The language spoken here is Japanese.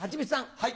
はい。